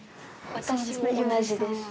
私も同じです。